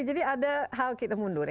jadi ada hal kita mundur ya